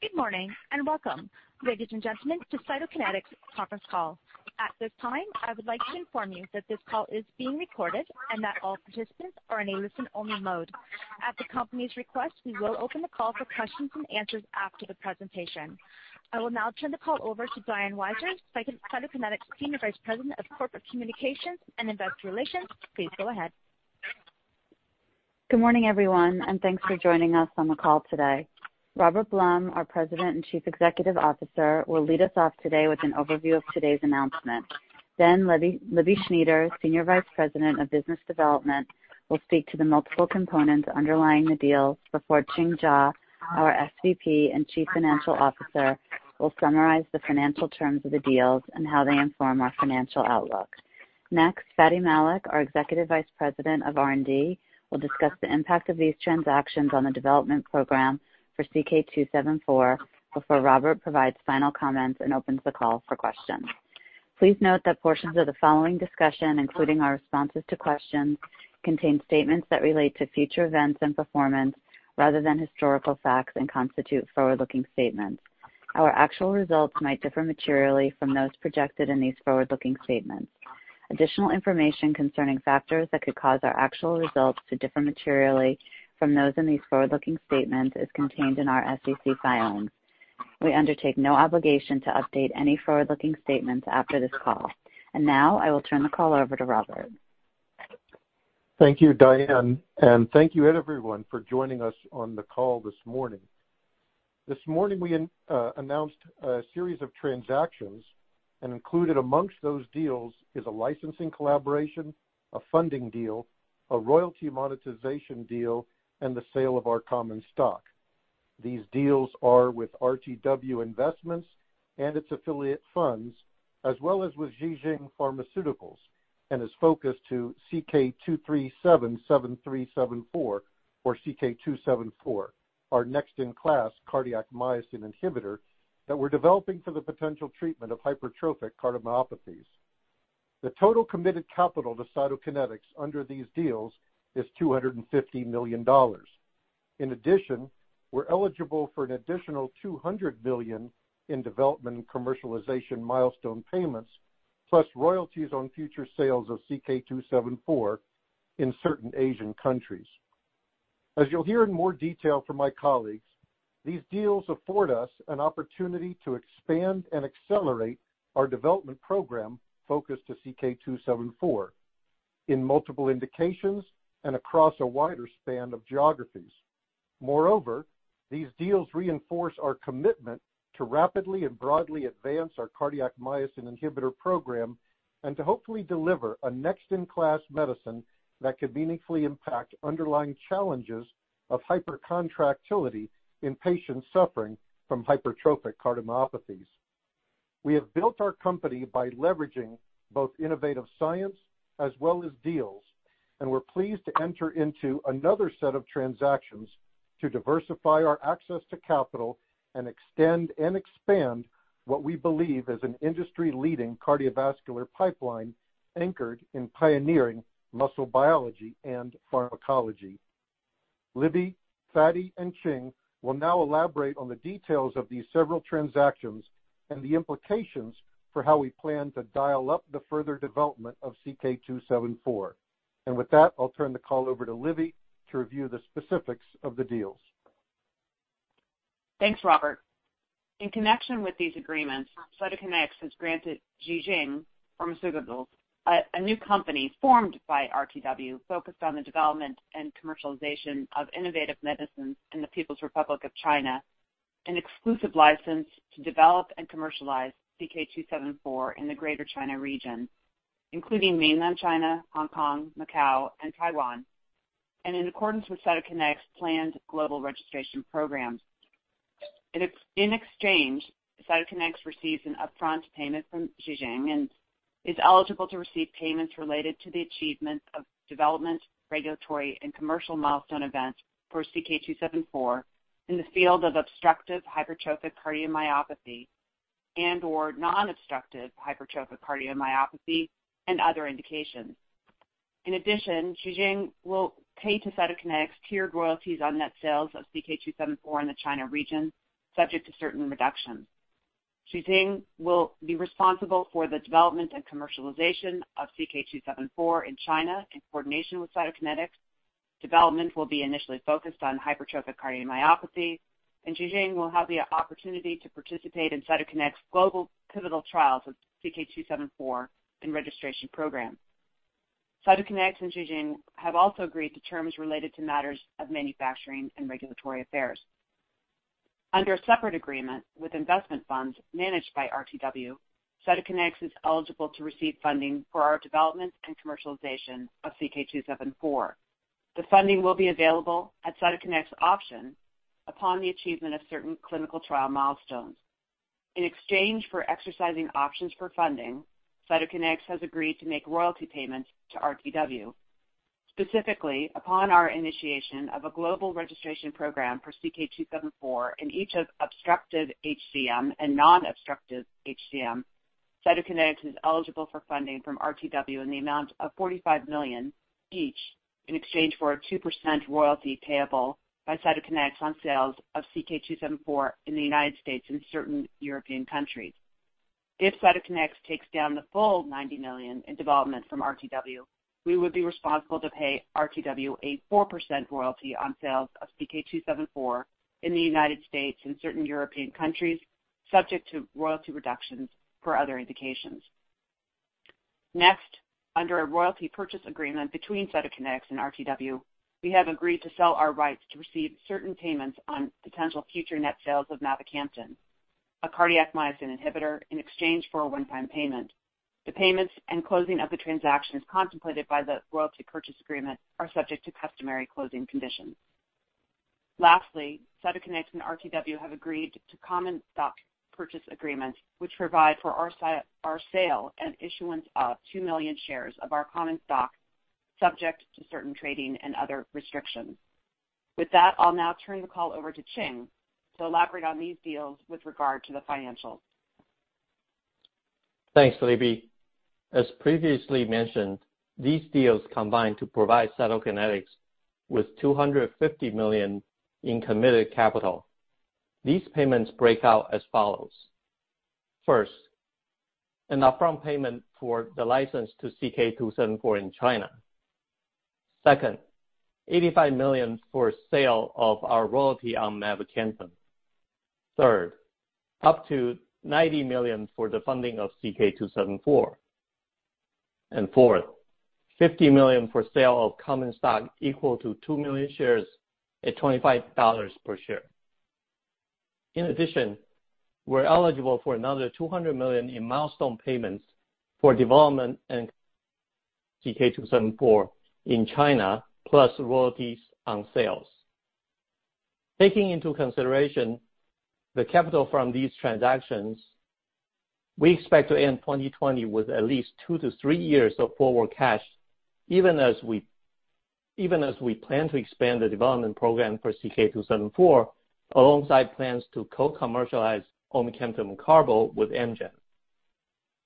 Good morning, and welcome, ladies and gentlemen, to Cytokinetics' conference call. At this time, I would like to inform you that this call is being recorded and that all participants are in a listen-only mode. At the company's request, we will open the call for questions and answers after the presentation. I will now turn the call over to Diane Weiser, Cytokinetics' Senior Vice President of Corporate Communications and Investor Relations. Please go ahead. Good morning, everyone, and thanks for joining us on the call today. Robert Blum, our President and Chief Executive Officer, will lead us off today with an overview of today's announcement. Elisabeth Schnieders, Senior Vice President of Business Development, will speak to the multiple components underlying the deals before Ching Jaw, our SVP and Chief Financial Officer, will summarize the financial terms of the deals and how they inform our financial outlook. Next, Fady Malik, our Executive Vice President of R&D, will discuss the impact of these transactions on the development program for CK-274 before Robert provides final comments and opens the call for questions. Please note that portions of the following discussion, including our responses to questions, contain statements that relate to future events and performance rather than historical facts and constitute forward-looking statements. Our actual results might differ materially from those projected in these forward-looking statements. Additional information concerning factors that could cause our actual results to differ materially from those in these forward-looking statements is contained in our SEC filings. We undertake no obligation to update any forward-looking statements after this call. Now, I will turn the call over to Robert. Thank you, Diane, and thank you everyone for joining us on the call this morning. This morning, we announced a series of transactions, and included amongst those deals is a licensing collaboration, a funding deal, a royalty monetization deal, and the sale of our common stock. These deals are with RTW Investments and its affiliate funds, as well as with JIXING Pharmaceuticals, and is focused to CK-3773274 or CK-274, our next-in-class cardiac myosin inhibitor that we're developing for the potential treatment of hypertrophic cardiomyopathies. The total committed capital to Cytokinetics under these deals is $250 million. In addition, we're eligible for an additional $200 million in development and commercialization milestone payments, plus royalties on future sales of CK-274 in certain Asian countries. As you'll hear in more detail from my colleagues, these deals afford us an opportunity to expand and accelerate our development program focused to CK-274 in multiple indications and across a wider span of geographies. These deals reinforce our commitment to rapidly and broadly advance our cardiac myosin inhibitor program and to hopefully deliver a next-in-class medicine that could meaningfully impact underlying challenges of hypercontractility in patients suffering from hypertrophic cardiomyopathies. We have built our company by leveraging both innovative science as well as deals, and we're pleased to enter into another set of transactions to diversify our access to capital and extend and expand what we believe is an industry-leading cardiovascular pipeline anchored in pioneering muscle biology and pharmacology. Libby, Fady, and Ching will now elaborate on the details of these several transactions and the implications for how we plan to dial up the further development of CK-274. With that, I'll turn the call over to Libby to review the specifics of the deals. Thanks, Robert. In connection with these agreements, Cytokinetics has granted JIXING Pharmaceuticals, a new company formed by RTW focused on the development and commercialization of innovative medicines in the People's Republic of China, an exclusive license to develop and commercialize CK-274 in the Greater China Region, including Mainland China, Hong Kong, Macau, and Taiwan, and in accordance with Cytokinetics' planned global registration programs. In exchange, Cytokinetics receives an upfront payment from JIXING and is eligible to receive payments related to the achievement of development, regulatory, and commercial milestone events for CK-274 in the field of obstructive hypertrophic cardiomyopathy and/or non-obstructive hypertrophic cardiomyopathy and other indications. In addition, JIXING will pay to Cytokinetics tiered royalties on net sales of CK-274 in the China region, subject to certain reductions. JIXING will be responsible for the development and commercialization of CK-274 in China in coordination with Cytokinetics. Development will be initially focused on hypertrophic cardiomyopathy. Ji Xing will have the opportunity to participate in Cytokinetics' global pivotal trials of CK-274 and registration program. Cytokinetics and Ji Xing have also agreed to terms related to matters of manufacturing and regulatory affairs. Under a separate agreement with investment funds managed by RTW, Cytokinetics is eligible to receive funding for our development and commercialization of CK-274. The funding will be available at Cytokinetics' option upon the achievement of certain clinical trial milestones. In exchange for exercising options for funding, Cytokinetics has agreed to make royalty payments to RTW. Specifically, upon our initiation of a global registration program for CK-274 in each of obstructive HCM and non-obstructive HCM, Cytokinetics is eligible for funding from RTW in the amount of $45 million each in exchange for a 2% royalty payable by Cytokinetics on sales of CK-274 in the U.S. and certain European countries. If Cytokinetics takes down the full $90 million in development from RTW, we would be responsible to pay RTW a 4% royalty on sales of CK-274 in the U.S. and certain European countries, subject to royalty reductions for other indications. Under a royalty purchase agreement between Cytokinetics and RTW, we have agreed to sell our rights to receive certain payments on potential future net sales of mavacamten, a cardiac myosin inhibitor, in exchange for a one-time payment. The payments and closing of the transactions contemplated by the royalty purchase agreement are subject to customary closing conditions. Lastly, Cytokinetics and RTW have agreed to common stock purchase agreements, which provide for our sale and issuance of 2 million shares of our common stock, subject to certain trading and other restrictions. With that, I'll now turn the call over to Ching to elaborate on these deals with regard to the financials. Thanks, Libby. As previously mentioned, these deals combine to provide Cytokinetics with $250 million in committed capital. These payments break out as follows. First, an upfront payment for the license to CK-274 in China. Second, $85 million for sale of our royalty on mavacamten. Third, up to $90 million for the funding of CK-274. Fourth, $50 million for sale of common stock equal to 2 million shares at $25 per share. In addition, we're eligible for another $200 million in milestone payments for development and CK-274 in China, plus royalties on sales. Taking into consideration the capital from these transactions, we expect to end 2020 with at least two to three years of forward cash, even as we plan to expand the development program for CK-274, alongside plans to co-commercialize omecamtiv mecarbil with Amgen.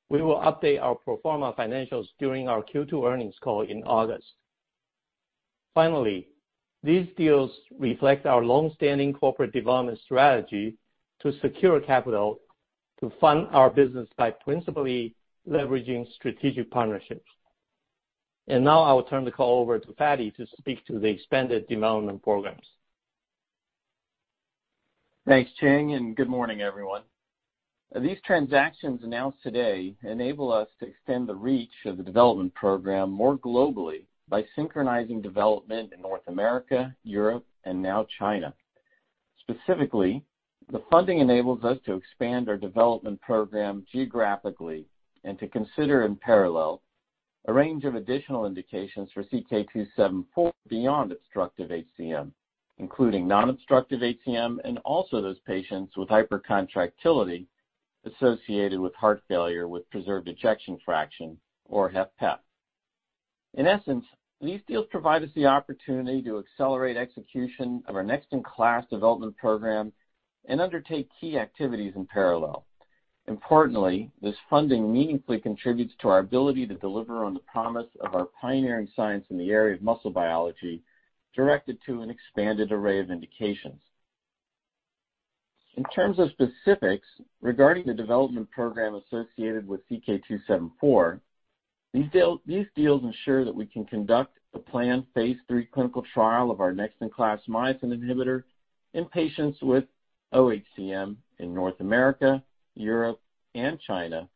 We will update our pro forma financials during our Q2 earnings call in August. Finally, these deals reflect our longstanding corporate development strategy to secure capital to fund our business by principally leveraging strategic partnerships. Now I will turn the call over to Fady to speak to the expanded development programs. Thanks, Ching, and good morning, everyone. These transactions announced today enable us to extend the reach of the development program more globally by synchronizing development in North America, Europe, and now China. Specifically, the funding enables us to expand our development program geographically and to consider in parallel a range of additional indications for CK-274 beyond obstructive HCM, including non-obstructive HCM, and also those patients with hypercontractility associated with heart failure with preserved ejection fraction or HFpEF. In essence, these deals provide us the opportunity to accelerate execution of our next-in-class development program and undertake key activities in parallel. Importantly, this funding meaningfully contributes to our ability to deliver on the promise of our pioneering science in the area of muscle biology directed to an expanded array of indications. In terms of specifics regarding the development program associated with CK-274, these deals ensure that we can conduct a planned phase III clinical trial of our next-in-class myosin inhibitor in patients with OHCM in North America, Europe, and China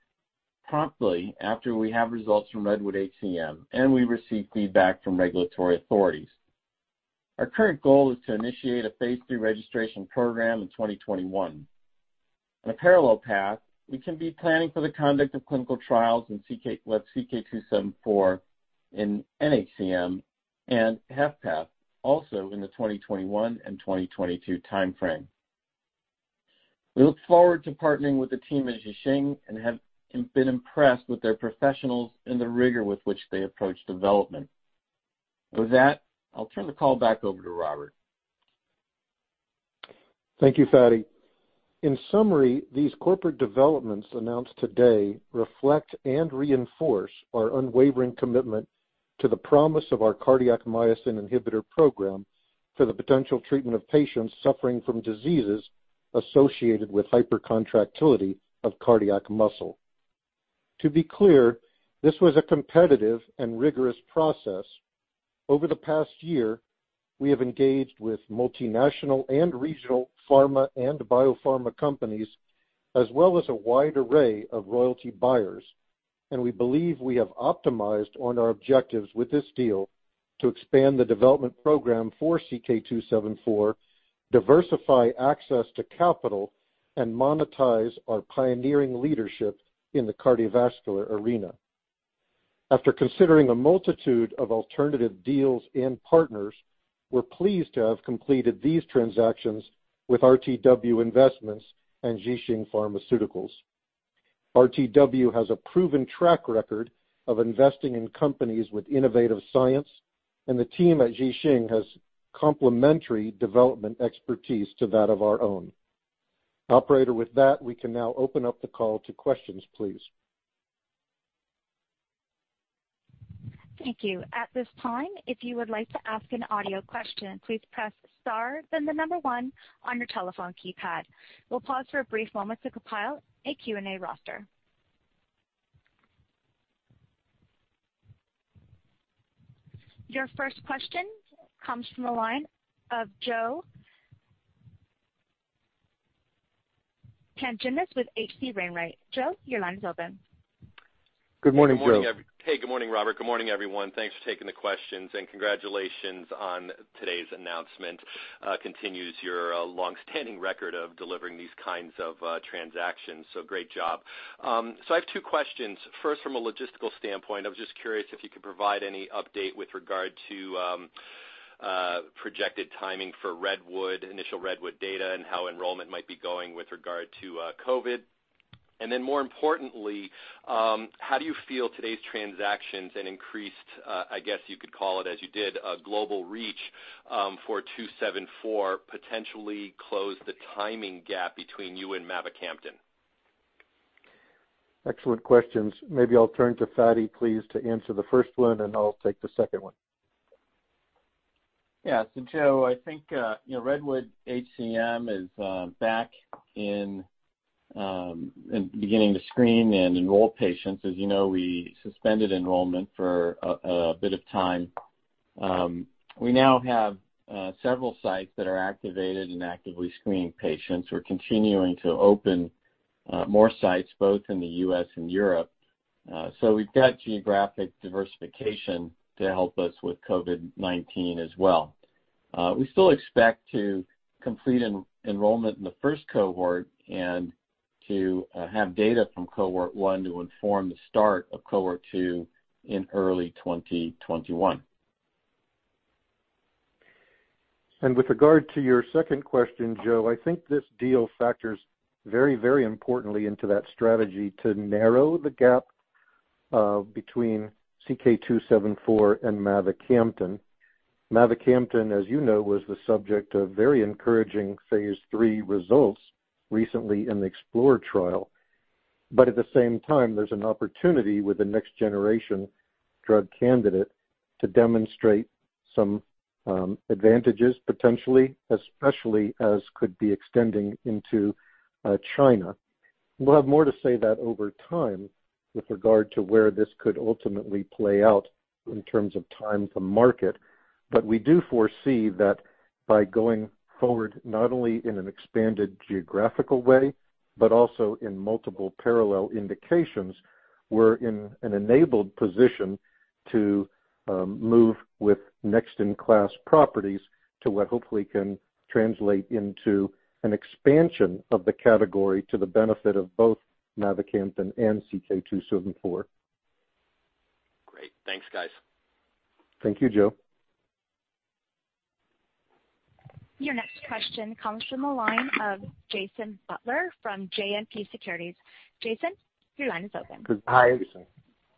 promptly after we have results from REDWOOD-HCM and we receive feedback from regulatory authorities. Our current goal is to initiate a phase III registration program in 2021. On a parallel path, we can be planning for the conduct of clinical trials with CK-274 in NHCM and HFpEF also in the 2021 and 2022 timeframe. We look forward to partnering with the team at JIXING and have been impressed with their professionals and the rigor with which they approach development. With that, I'll turn the call back over to Robert. Thank you, Fady. In summary, these corporate developments announced today reflect and reinforce our unwavering commitment to the promise of our cardiac myosin inhibitor program for the potential treatment of patients suffering from diseases associated with hypercontractility of cardiac muscle. To be clear, this was a competitive and rigorous process. Over the past year, we have engaged with multinational and regional pharma and biopharma companies, as well as a wide array of royalty buyers, and we believe we have optimized on our objectives with this deal to expand the development program for CK-274, diversify access to capital, and monetize our pioneering leadership in the cardiovascular arena. After considering a multitude of alternative deals and partners, we're pleased to have completed these transactions with RTW Investments and JIXING Pharmaceuticals. RTW has a proven track record of investing in companies with innovative science. The team at JIXING has complementary development expertise to that of our own. Operator, with that, we can now open up the call to questions, please. Thank you. At this time, if you would like to ask an audio question, please press star then the number one on your telephone keypad. We'll pause for a brief moment to compile a Q&A roster. Your first question comes from the line of Joseph Pantginis with H.C. Wainwright. Joe, your line is open. Good morning, Joe. Good morning, Robert. Good morning, everyone. Thanks for taking the questions, and congratulations on today's announcement. Continues your long-standing record of delivering these kinds of transactions, so great job. I have two questions. First, from a logistical standpoint, I was just curious if you could provide any update with regard to projected timing for initial REDWOOD-HCM data and how enrollment might be going with regard to COVID-19. More importantly, how do you feel today's transactions and increased, I guess you could call it as you did, a global reach for CK-274 potentially closed the timing gap between you and mavacamten? Excellent questions. Maybe I'll turn to Fady please to answer the first one, and I'll take the second one. Yeah. Joe, I think REDWOOD-HCM is back and beginning to screen and enroll patients. As you know, we suspended enrollment for a bit of time. We now have several sites that are activated and actively screening patients. We're continuing to open more sites both in the U.S. and Europe. We've got geographic diversification to help us with COVID-19 as well. We still expect to complete enrollment in the first cohort and to have data from cohort 1 to inform the start of cohort 2 in early 2021. With regard to your second question, Joe, I think this deal factors very importantly into that strategy to narrow the gap between CK-274 and mavacamten. Mavacamten, as you know, was the subject of very encouraging phase III results recently in the EXPLORER-HCM trial. At the same time, there's an opportunity with the next generation drug candidate to demonstrate some advantages potentially, especially as could be extending into China. We'll have more to say that over time with regard to where this could ultimately play out in terms of time to market. We do foresee that by going forward, not only in an expanded geographical way, but also in multiple parallel indications, we're in an enabled position to move with next-in-class properties to what hopefully can translate into an expansion of the category to the benefit of both mavacamten and CK-274. Great. Thanks, guys. Thank you, Joe. Your next question comes from the line of Jason Butler from JMP Securities. Jason, your line is open. Hi.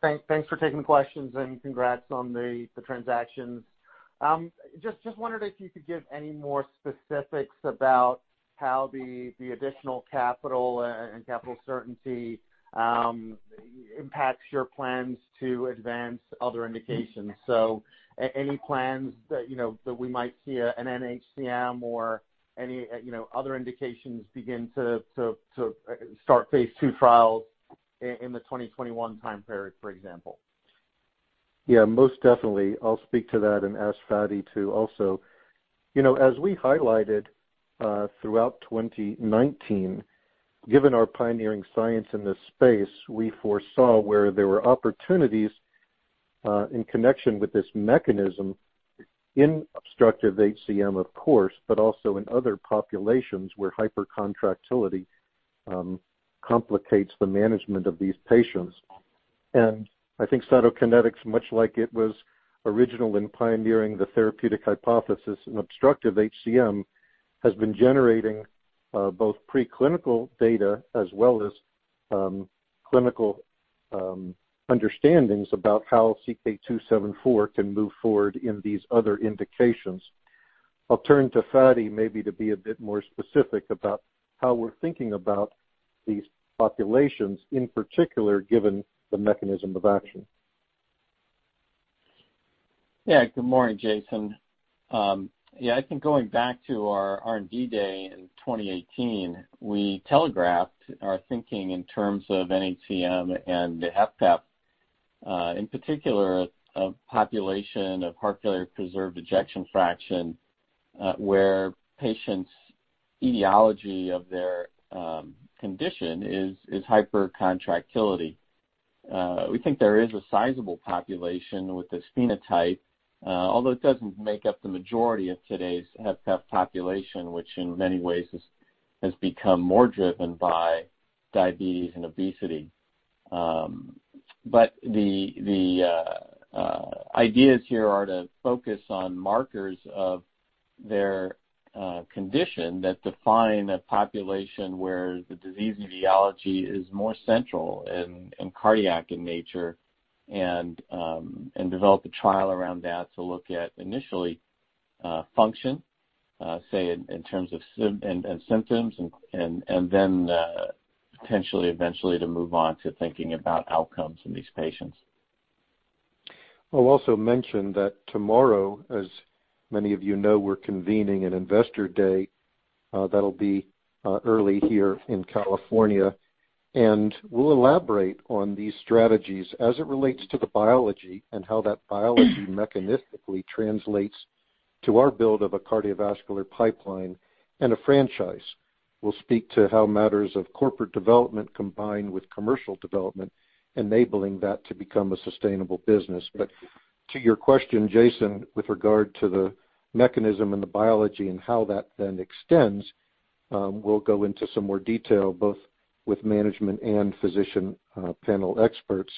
Thanks for taking the questions and congrats on the transactions. Just wondered if you could give any more specifics about how the additional capital and capital certainty impacts your plans to advance other indications. Any plans that we might see an NHCM or any other indications begin to start phase II trials in the 2021 time period, for example? Yeah, most definitely. I'll speak to that and ask Fady too also. As we highlighted throughout 2019, given our pioneering science in this space, we foresaw where there were opportunities in connection with this mechanism in obstructive HCM, of course, but also in other populations where hypercontractility complicates the management of these patients. I think Cytokinetics, much like it was original in pioneering the therapeutic hypothesis in obstructive HCM, has been generating both preclinical data as well as clinical understandings about how CK-274 can move forward in these other indications. I'll turn to Fady maybe to be a bit more specific about how we're thinking about these populations, in particular, given the mechanism of action. Good morning, Jason. I think going back to our R&D day in 2018, we telegraphed our thinking in terms of NHCM and HFpEF, in particular a population of heart failure with preserved ejection fraction, where patients' etiology of their condition is hypercontractility. We think there is a sizable population with this phenotype, although it doesn't make up the majority of today's HFpEF population, which in many ways has become more driven by diabetes and obesity. The ideas here are to focus on markers of their condition that define a population where the disease etiology is more central and cardiac in nature and develop a trial around that to look at initially function, say, in terms of symptoms and then potentially eventually to move on to thinking about outcomes in these patients. I'll also mention that tomorrow, as many of you know, we're convening an investor day that'll be early here in California, and we'll elaborate on these strategies as it relates to the biology and how that biology mechanistically translates to our build of a cardiovascular pipeline and a franchise. We'll speak to how matters of corporate development combine with commercial development, enabling that to become a sustainable business. To your question, Jason, with regard to the mechanism and the biology and how that then extends, we'll go into some more detail, both with management and physician panel experts.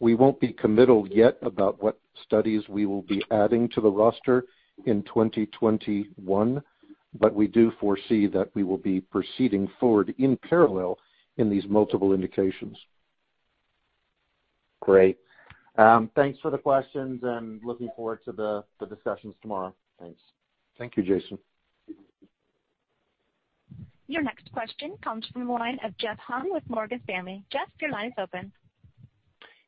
We won't be committal yet about what studies we will be adding to the roster in 2021, but we do foresee that we will be proceeding forward in parallel in these multiple indications. Great. Thanks for the questions and looking forward to the discussions tomorrow. Thanks. Thank you, Jason. Your next question comes from the line of Jeff Hung with Morgan Stanley. Jeff, your line is open.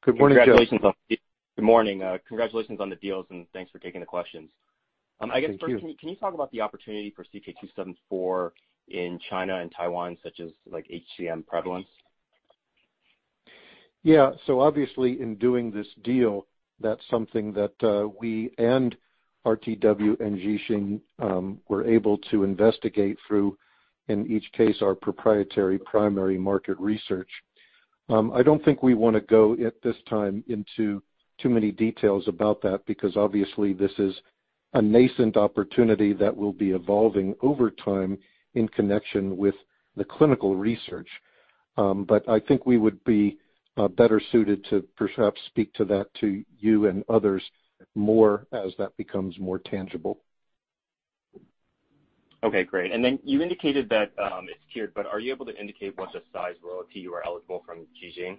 Good morning, Jeff. Good morning. Congratulations on the deals, and thanks for taking the questions. Thank you. I guess, first, can you talk about the opportunity for CK-274 in China and Taiwan, such as HCM prevalence? Yeah. Obviously, in doing this deal, that's something that we and RTW and Ji Xing were able to investigate through, in each case, our proprietary primary market research. I don't think we want to go at this time into too many details about that, because obviously this is a nascent opportunity that will be evolving over time in connection with the clinical research. I think we would be better suited to perhaps speak to that to you and others more as that becomes more tangible. Okay, great. You indicated that it's tiered, but are you able to indicate what the size royalty you are eligible from Ji Xing?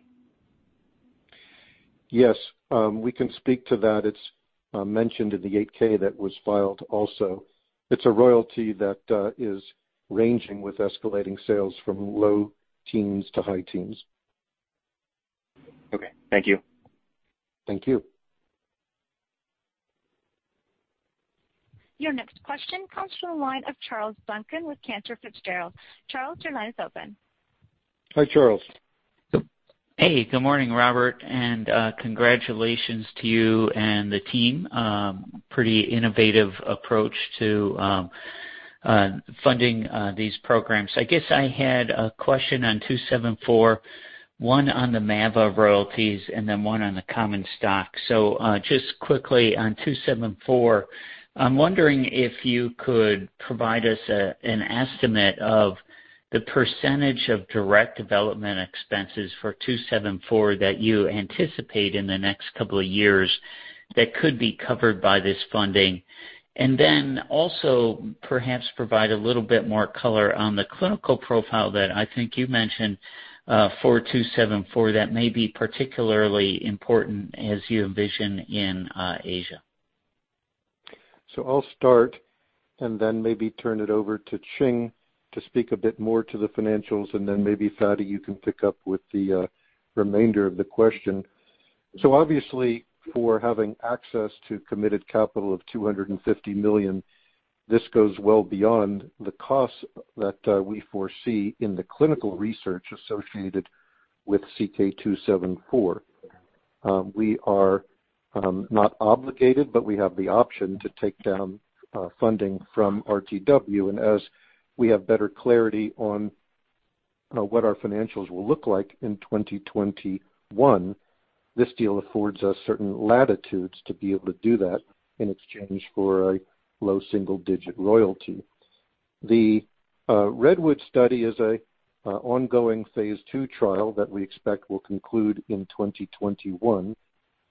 Yes. We can speak to that. It's mentioned in the 8-K that was filed also. It's a royalty that is ranging with escalating sales from low teens to high teens. Okay. Thank you. Thank you. Your next question comes from the line of Charles Duncan with Cantor Fitzgerald. Charles, your line is open. Hi, Charles. Good morning, Robert, and congratulations to you and the team. Pretty innovative approach to funding these programs. I guess I had a question on CK-274, one on the mavacamten royalties, and then one on the common stock. Just quickly on CK-274, I'm wondering if you could provide us an estimate of the percentage of direct development expenses for CK-274 that you anticipate in the next couple of years that could be covered by this funding. Also perhaps provide a little bit more color on the clinical profile that I think you mentioned for CK-274 that may be particularly important as you envision in Asia. I'll start and then maybe turn it over to Ching to speak a bit more to the financials, and then maybe, Fady, you can pick up with the remainder of the question. Obviously, for having access to committed capital of $250 million, this goes well beyond the costs that we foresee in the clinical research associated with CK-274. We are not obligated, but we have the option to take down funding from RTW. As we have better clarity on what our financials will look like in 2021, this deal affords us certain latitudes to be able to do that in exchange for a low single-digit royalty. The REDWOOD-HCM study is an ongoing phase II trial that we expect will conclude in 2021.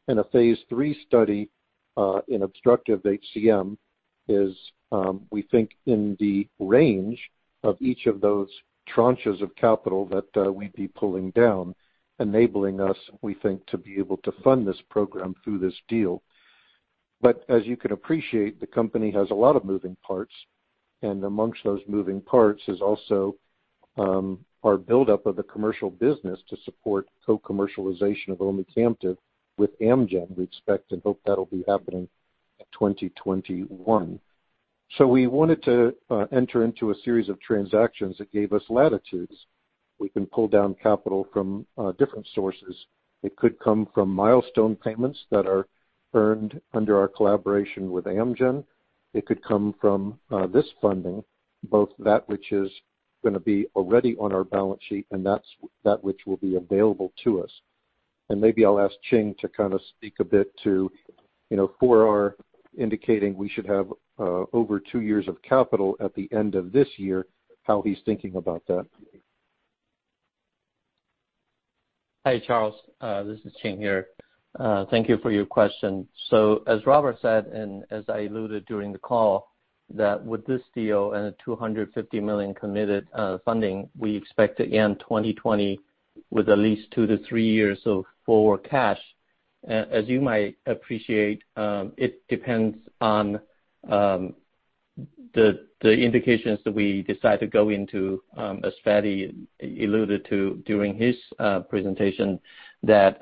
A Phase III study in obstructive HCM is, we think, in the range of each of those tranches of capital that we'd be pulling down, enabling us, we think, to be able to fund this program through this deal. As you can appreciate, the company has a lot of moving parts, and amongst those moving parts is also our buildup of the commercial business to support co-commercialization of omecamtiv with Amgen. We expect and hope that'll be happening in 2021. We wanted to enter into a series of transactions that gave us latitudes. We can pull down capital from different sources. It could come from milestone payments that are earned under our collaboration with Amgen. It could come from this funding, both that which is going to be already on our balance sheet and that which will be available to us. Maybe I'll ask Ching to kind of speak a bit to for our indicating we should have over two years of capital at the end of this year, how he's thinking about that. Hi, Charles. This is Ching here. Thank you for your question. As Robert said, and as I alluded during the call, that with this deal and the $250 million committed funding, we expect to end 2020 with at least 2-3 years of forward cash. As you might appreciate, it depends on the indications that we decide to go into, as Fady alluded to during his presentation, that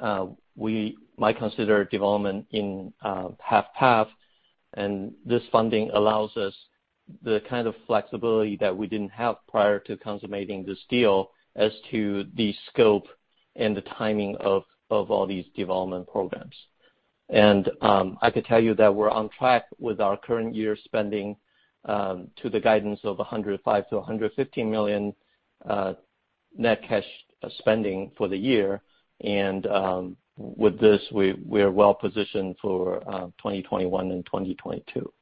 we might consider development in HFpEF, and this funding allows us the kind of flexibility that we didn't have prior to consummating this deal as to the scope and the timing of all these development programs. I could tell you that we're on track with our current year spending, to the guidance of $105 million-$115 million net cash spending for the year. With this, we are well positioned for 2021 and 2022.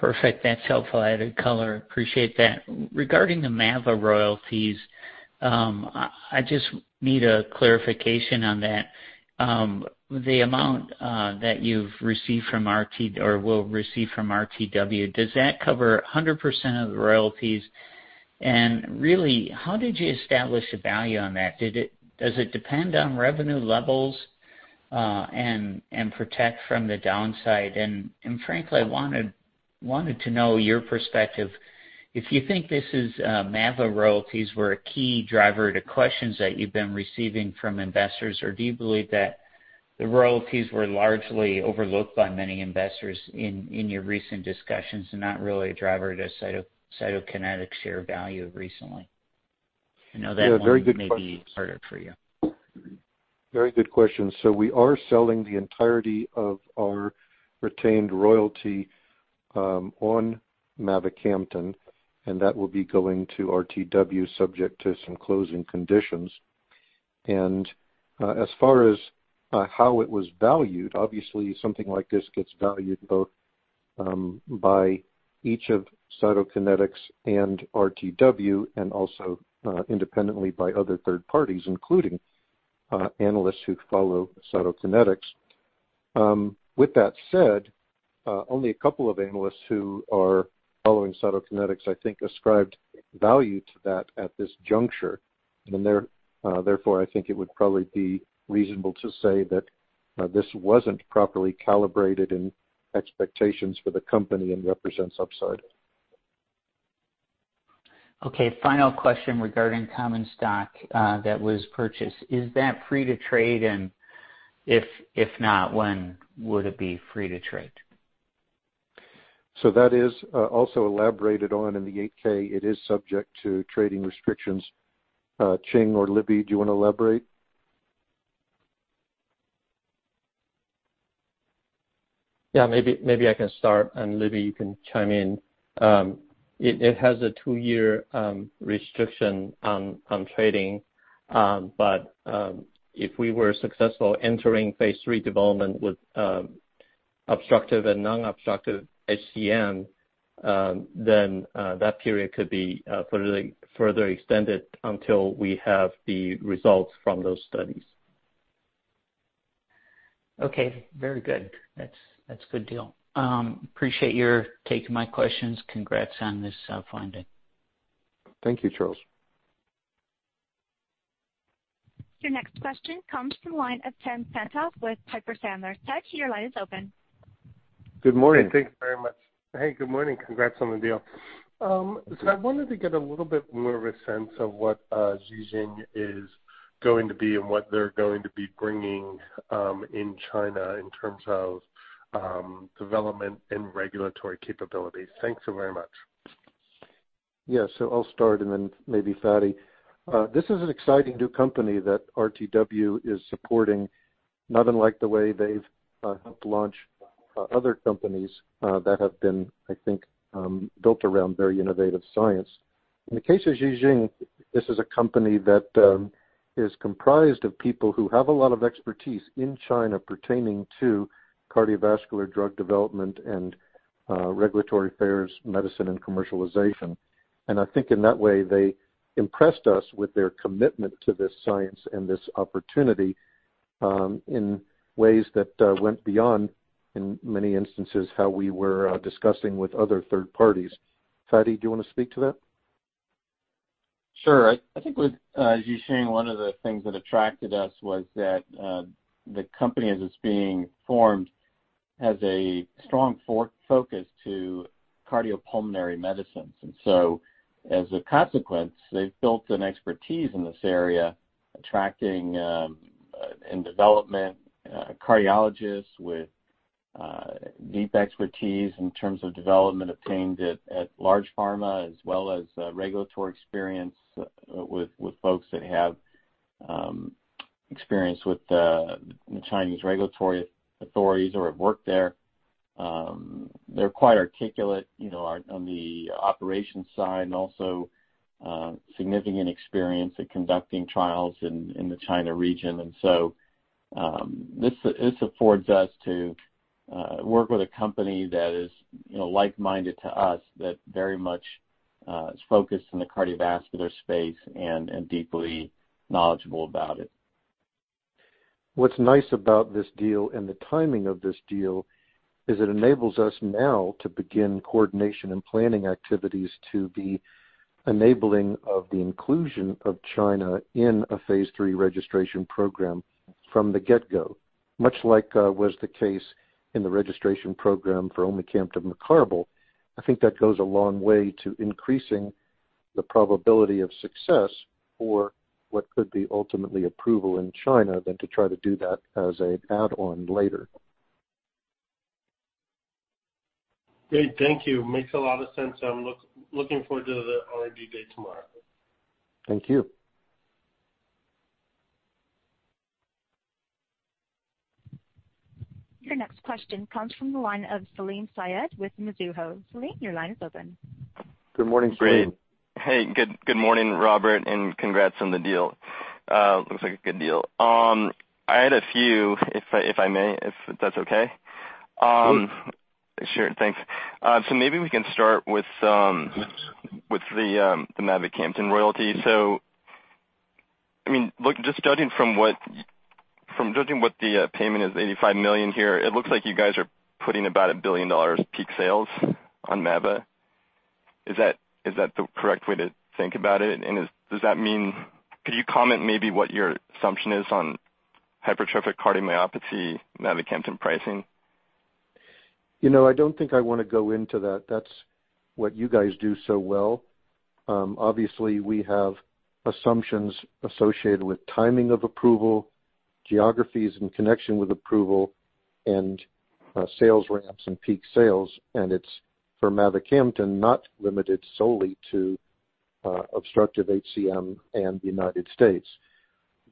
Perfect. That's helpful added color. Appreciate that. Regarding the mava royalties, I just need a clarification on that. The amount that you've received from RT or will receive from RTW, does that cover 100% of the royalties? Really, how did you establish a value on that? Does it depend on revenue levels, and protect from the downside and frankly, I wanted to know your perspective, if you think this is mava royalties were a key driver to questions that you've been receiving from investors, or do you believe that the royalties were largely overlooked by many investors in your recent discussions and not really a driver to Cytokinetics share value recently? Yeah. Very good question. May be harder for you. Very good question. We are selling the entirety of our retained royalty on mavacamten, and that will be going to RTW subject to some closing conditions. As far as how it was valued, obviously something like this gets valued both by each of Cytokinetics and RTW and also independently by other third parties, including analysts who follow Cytokinetics. With that said, only a couple of analysts who are following Cytokinetics, I think, ascribed value to that at this juncture. Therefore, I think it would probably be reasonable to say that this wasn't properly calibrated in expectations for the company and represents upside. Okay. Final question regarding common stock that was purchased. Is that free to trade? If not, when would it be free to trade? That is also elaborated on in the 8-K. It is subject to trading restrictions. Ching or Libby, do you want to elaborate? Yeah, maybe I can start, and Libby, you can chime in. It has a two-year restriction on trading. If we were successful entering phase III development with obstructive and non-obstructive HCM, then that period could be further extended until we have the results from those studies. Okay, very good. That's a good deal. Appreciate your taking my questions. Congrats on this funding. Thank you, Charles. Your next question comes from the line of Ted Tenthoff with Piper Sandler. Ted, your line is open. Good morning. Hey, thanks very much. Hey, good morning. Congrats on the deal. I wanted to get a little bit more of a sense of what JIXING Pharmaceuticals is going to be and what they're going to be bringing in China in terms of development and regulatory capabilities. Thanks so very much. Yeah. I'll start and then maybe Fady. This is an exciting new company that RTW is supporting, not unlike the way they've helped launch other companies that have been, I think, built around very innovative science. In the case of Ji Xing, this is a company that is comprised of people who have a lot of expertise in China pertaining to cardiovascular drug development and regulatory affairs, medicine, and commercialization. I think in that way, they impressed us with their commitment to this science and this opportunity, in ways that went beyond, in many instances, how we were discussing with other third parties. Fady, do you want to speak to that? Sure. I think with JIXING, one of the things that attracted us was that the company as it's being formed has a strong focus to cardiopulmonary medicines. As a consequence, they've built an expertise in this area, attracting in development cardiologists with deep expertise in terms of development obtained at large pharma, as well as regulatory experience with folks that have experience with the Chinese regulatory authorities or have worked there. They're quite articulate on the operations side and also significant experience at conducting trials in the China region. This affords us to work with a company that is like-minded to us, that very much is focused in the cardiovascular space and deeply knowledgeable about it. What's nice about this deal and the timing of this deal is it enables us now to begin coordination and planning activities to the enabling of the inclusion of China in a phase III registration program from the get-go, much like was the case in the registration program for omecamtiv mecarbil. I think that goes a long way to increasing the probability of success for what could be ultimately approval in China than to try to do that as an add-on later. Great. Thank you. Makes a lot of sense. I'm looking forward to the R&D day tomorrow. Thank you. Your next question comes from the line of Salim Syed with Mizuho. Salim, your line is open. Good morning, Salim. Great. Hey, good morning, Robert, and congrats on the deal. Looks like a good deal. I had a few, if I may, if that's okay. Sure. Sure. Thanks. Maybe we can start with the mavacamten royalty. From judging what the payment is, $85 million here, it looks like you guys are putting about $1 billion peak sales on mava. Is that the correct way to think about it? Could you comment maybe what your assumption is on hypertrophic cardiomyopathy mavacamten pricing? I don't think I want to go into that. That's what you guys do so well. Obviously, we have assumptions associated with timing of approval, geographies in connection with approval, and sales ramps and peak sales, and it's, for mavacamten, not limited solely to obstructive HCM in the U.S.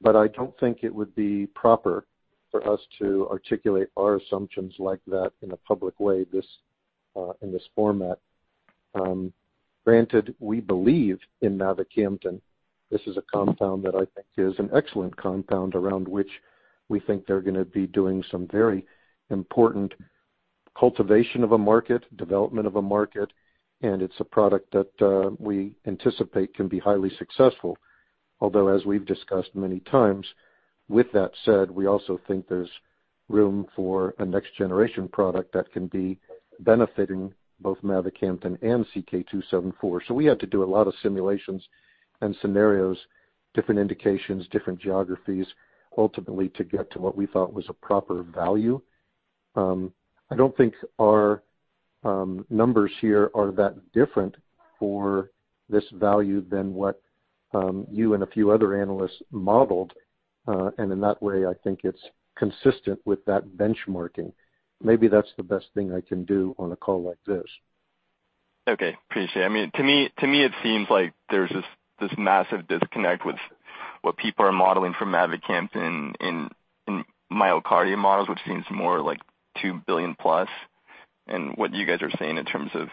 I don't think it would be proper for us to articulate our assumptions like that in a public way in this format. Granted, we believe in mavacamten. This is a compound that I think is an excellent compound around which we think they're going to be doing some very important cultivation of a market, development of a market, and it's a product that we anticipate can be highly successful. Although, as we've discussed many times, with that said, we also think there's room for a next generation product that can be benefiting both mavacamten and CK-274. We had to do a lot of simulations and scenarios, different indications, different geographies, ultimately to get to what we thought was a proper value. I don't think our numbers here are that different for this value than what you and a few other analysts modeled. In that way, I think it's consistent with that benchmarking. Maybe that's the best thing I can do on a call like this. Okay. Appreciate it. To me, it seems like there's this massive disconnect with what people are modeling for mavacamten in MyoKardia models, which seems more like $2 billion plus, and what you guys are saying in terms of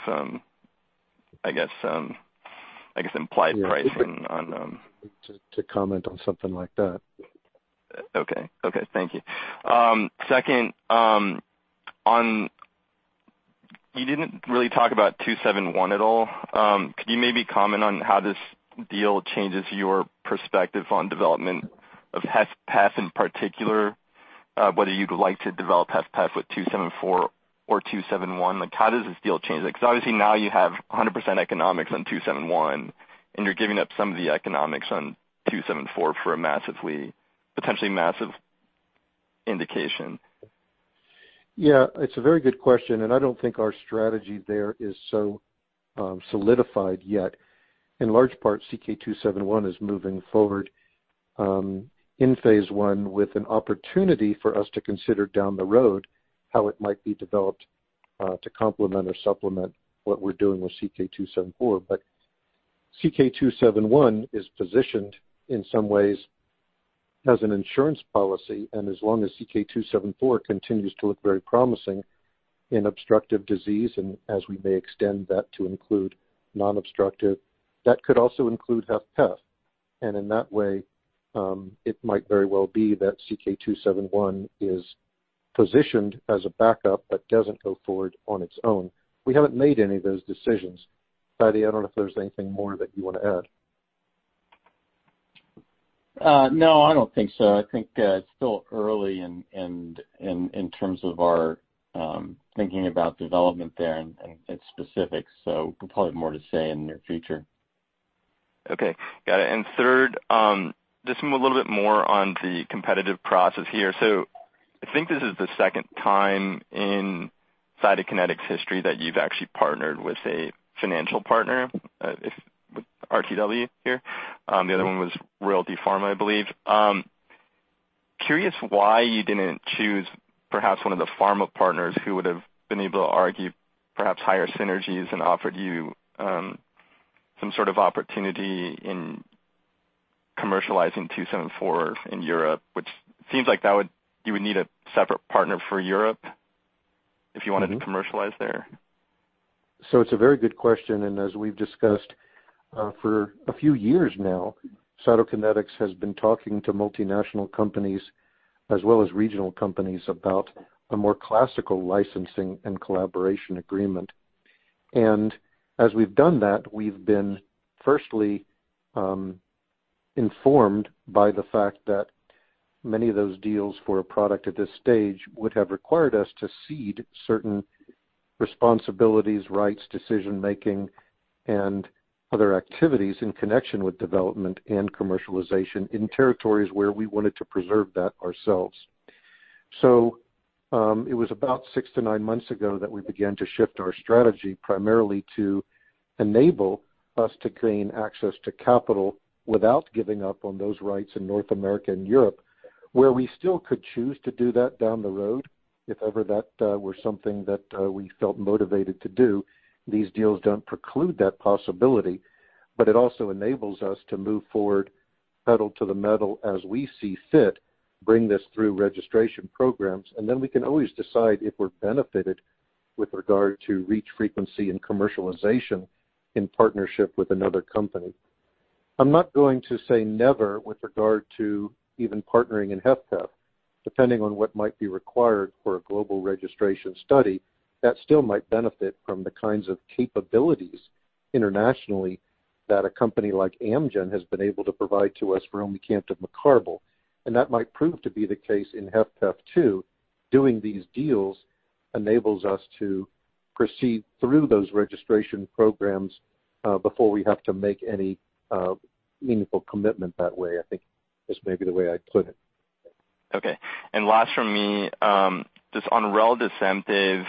implied pricing. To comment on something like that. Thank you. Second, you didn't really talk about CK-271 at all. Could you maybe comment on how this deal changes your perspective on development of HFpEF in particular, whether you'd like to develop HFpEF with CK-274 or CK-271? How does this deal change that? Because obviously now you have 100% economics on CK-271, and you're giving up some of the economics on CK-274 for a potentially massive indication. Yeah. It's a very good question. I don't think our strategy there is so solidified yet. In large part, CK-271 is moving forward in phase I with an opportunity for us to consider down the road how it might be developed to complement or supplement what we're doing with CK-274. CK-271 is positioned, in some ways, as an insurance policy. As long as CK-274 continues to look very promising in obstructive disease, and as we may extend that to include non-obstructive, that could also include HFpEF. In that way, it might very well be that CK-271 is positioned as a backup, but doesn't go forward on its own. We haven't made any of those decisions. Fady, I don't know if there's anything more that you want to add. No, I don't think so. I think it's still early in terms of our thinking about development there and specifics. We'll probably have more to say in the near future. Okay. Got it. Third, this one a little bit more on the competitive process here. I think this is the second time in Cytokinetics' history that you've actually partnered with a financial partner, with RTW here. The other one was Royalty Pharma, I believe. Curious why you didn't choose perhaps one of the pharma partners who would've been able to argue perhaps higher synergies and offered you some sort of opportunity in commercializing 274 in Europe, which seems like you would need a separate partner for Europe if you wanted to commercialize there? It's a very good question, and as we've discussed for a few years now, Cytokinetics has been talking to multinational companies as well as regional companies about a more classical licensing and collaboration agreement. As we've done that, we've been firstly informed by the fact that many of those deals for a product at this stage would have required us to cede certain responsibilities, rights, decision-making, and other activities in connection with development and commercialization in territories where we wanted to preserve that ourselves. It was about six to nine months ago that we began to shift our strategy primarily to enable us to gain access to capital without giving up on those rights in North America and Europe, where we still could choose to do that down the road if ever that were something that we felt motivated to do. These deals don't preclude that possibility, but it also enables us to move forward, pedal to the metal, as we see fit, bring this through registration programs, and then we can always decide if we're benefited with regard to reach frequency and commercialization in partnership with another company. I'm not going to say never with regard to even partnering in HFpEF, depending on what might be required for a global registration study. That still might benefit from the kinds of capabilities internationally that a company like Amgen has been able to provide to us for omecamtiv mecarbil, and that might prove to be the case in HFpEF, too. Doing these deals enables us to proceed through those registration programs, before we have to make any meaningful commitment that way, I think is maybe the way I'd put it. Okay. Last from me, just on reldesemtiv.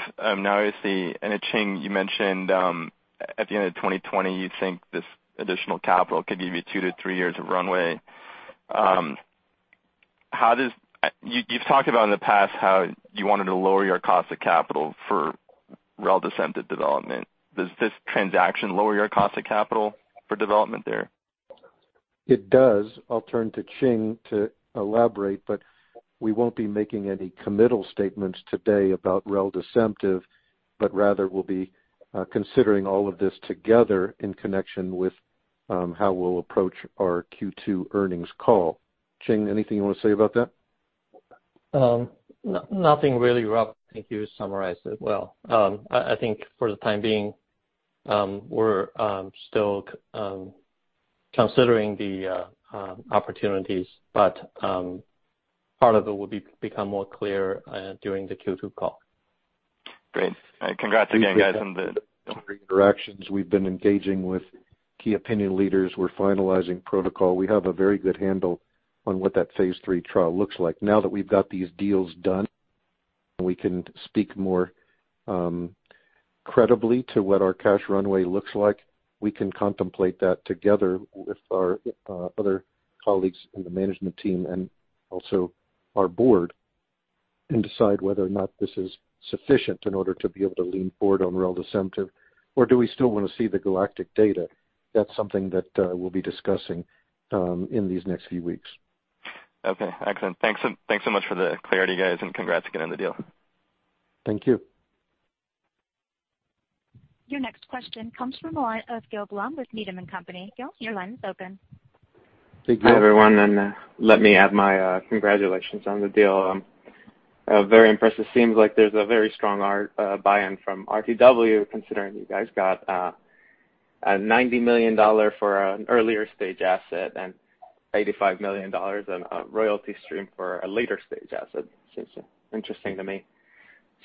Ching, you mentioned at the end of 2020, you think this additional capital could give you 2 to 3 years of runway. You've talked about in the past how you wanted to lower your cost of capital for reldesemtiv development. Does this transaction lower your cost of capital for development there? It does. I'll turn to Ching to elaborate, but we won't be making any committal statements today about reldesemtiv, but rather we'll be considering all of this together in connection with how we'll approach our Q2 earnings call. Ching, anything you want to say about that? Nothing really, Rob. I think you summarized it well. I think for the time being, we're still considering the opportunities, but part of it will become more clear during the Q2 call. Great. Congrats again, guys. interactions we've been engaging with key opinion leaders. We're finalizing protocol. We have a very good handle on what that phase III trial looks like. Now that we've got these deals done, we can speak more credibly to what our cash runway looks like. We can contemplate that together with our other colleagues in the management team and also our board, and decide whether or not this is sufficient in order to be able to lean forward on reldesemtiv or do we still want to see the GALACTIC-HF data? That's something that we'll be discussing in these next few weeks. Okay, excellent. Thanks so much for the clarity, guys, and congrats again on the deal. Thank you. Your next question comes from the line of Gil Blum with Needham & Company. Gil, your line is open. Thank you. Hi, everyone, and let me add my congratulations on the deal. I'm very impressed. It seems like there's a very strong buy-in from RTW, considering you guys got a $90 million for an earlier stage asset and $85 million on a royalty stream for a later stage asset. Seems interesting to me.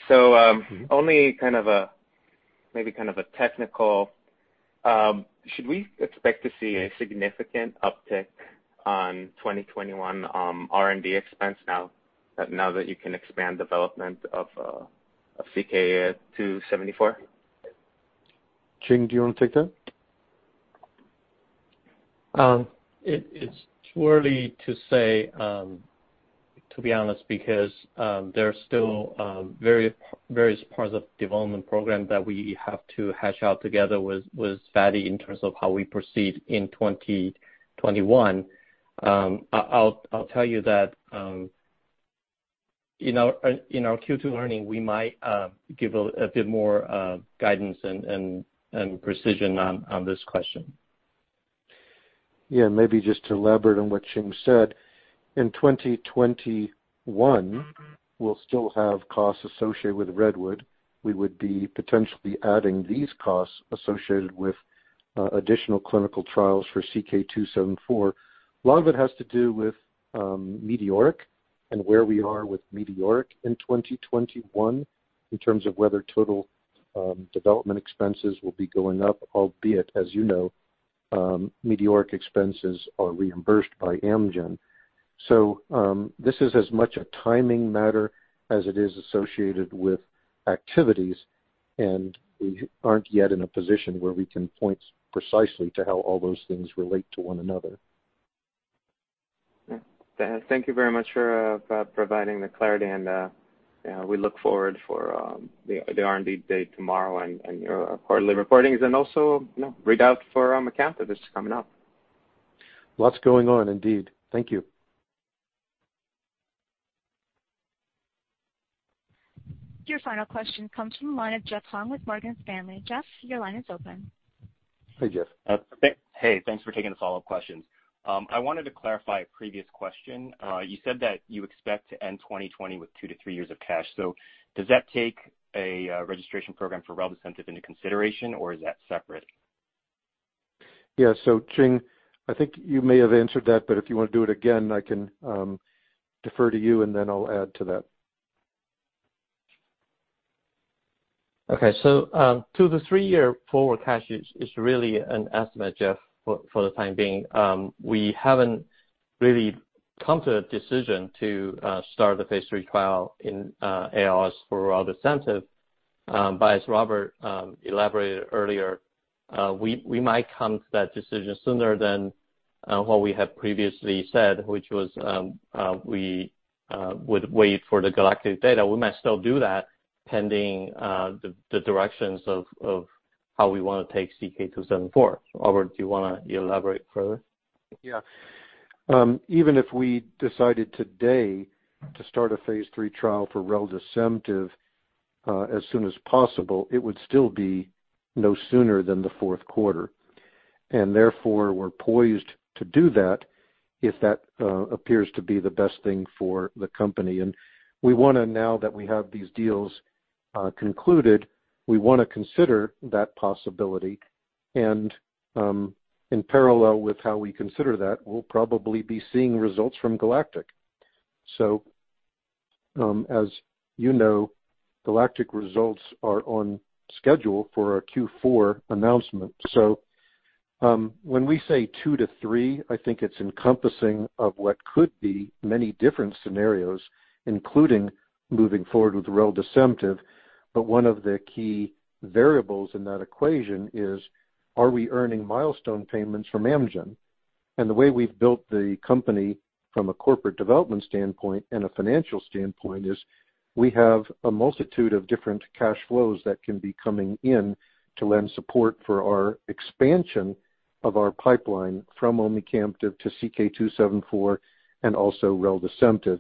Only maybe kind of a technical. Should we expect to see a significant uptick on 2021 R&D expense now that you can expand development of CK-274? Ching, do you want to take that? It's too early to say, to be honest, because there's still various parts of development program that we have to hash out together with Fady in terms of how we proceed in 2021. I'll tell you that in our Q2 earnings, we might give a bit more guidance and precision on this question. Yeah, maybe just to elaborate on what Ching said. In 2021, we'll still have costs associated with REDWOOD. We would be potentially adding these costs associated with additional clinical trials for CK-274. A lot of it has to do with METEORIC-HF and where we are with METEORIC-HF in 2021 in terms of whether total development expenses will be going up, albeit, as you know METEORIC-HF expenses are reimbursed by Amgen. This is as much a timing matter as it is associated with activities, and we aren't yet in a position where we can point precisely to how all those things relate to one another. Yeah. Thank you very much for providing the clarity and we look forward for the R&D day tomorrow and your quarterly reportings and also readout for omecamtiv that's coming up. Lots going on indeed. Thank you. Your final question comes from the line of Jeff Hung with Morgan Stanley. Jeff, your line is open. Hey, Jeff. Hey, thanks for taking the follow-up questions. I wanted to clarify a previous question. You said that you expect to end 2020 with two to three years of cash. Does that take a registration program for reldesemtiv into consideration, or is that separate? Yeah. Ching, I think you may have answered that, but if you want to do it again, I can defer to you, and then I'll add to that. Okay. So two to three-year forward cash is really an estimate, Jeff, for the time being. We haven't really come to a decision to start the phase III trial in ALS for reldesemtiv. As Robert elaborated earlier, we might come to that decision sooner than what we had previously said, which was we would wait for the GALACTIC-HF data. We might still do that pending the directions of how we want to take CK-274. Robert, do you want to elaborate further? Yeah. Even if we decided today to start a phase III trial for reldesemtiv as soon as possible, it would still be no sooner than the fourth quarter. Therefore, we're poised to do that if that appears to be the best thing for the company. Now that we have these deals concluded, we want to consider that possibility, and in parallel with how we consider that, we'll probably be seeing results from GALACTIC-HF. As you know, GALACTIC-HF results are on schedule for our Q4 announcement. When we say two to three, I think it's encompassing of what could be many different scenarios, including moving forward with reldesemtiv. One of the key variables in that equation is, are we earning milestone payments from Amgen? The way we've built the company from a corporate development standpoint and a financial standpoint is we have a multitude of different cash flows that can be coming in to lend support for our expansion of our pipeline from omecamtiv to CK-274 and also reldesemtiv.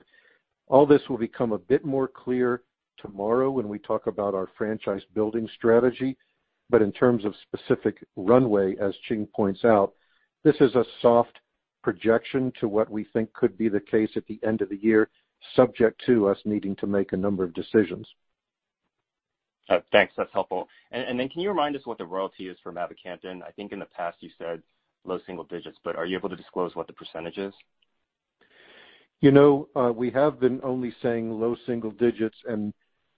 All this will become a bit more clear tomorrow when we talk about our franchise building strategy. In terms of specific runway, as Ching points out, this is a soft projection to what we think could be the case at the end of the year, subject to us needing to make a number of decisions. Thanks. That's helpful. Can you remind us what the royalty is for mavacamten? I think in the past you said low single digits, are you able to disclose what the percentage is? We have been only saying low single digits.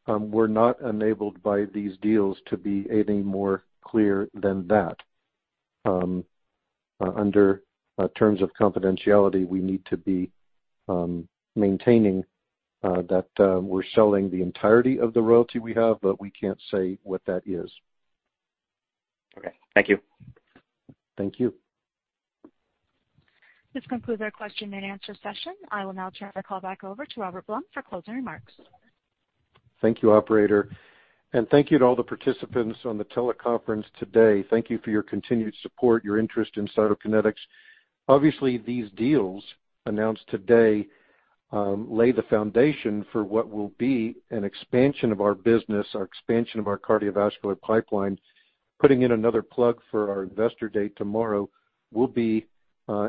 We're not enabled by these deals to be any more clear than that. Under terms of confidentiality, we need to be maintaining that we're selling the entirety of the royalty we have. We can't say what that is. Okay. Thank you. Thank you. This concludes our question and answer session. I will now turn the call back over to Robert Blum for closing remarks. Thank you, operator. Thank you to all the participants on the teleconference today. Thank you for your continued support, your interest in Cytokinetics. Obviously, these deals announced today lay the foundation for what will be an expansion of our business, our expansion of our cardiovascular pipeline. Putting in another plug for our investor day tomorrow, we'll be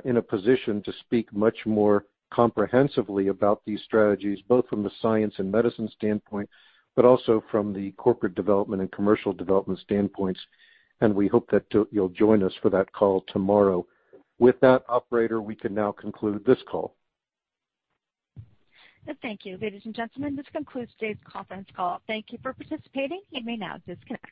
in a position to speak much more comprehensively about these strategies, both from the science and medicine standpoint, but also from the corporate development and commercial development standpoints. We hope that you'll join us for that call tomorrow. With that operator, we can now conclude this call. Thank you. Ladies and gentlemen, this concludes today's conference call. Thank you for participating. You may now disconnect.